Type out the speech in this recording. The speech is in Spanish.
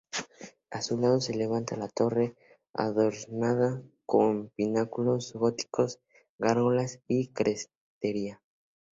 A su lado se levanta la torre, adornada con pináculos góticos, gárgolas y crestería.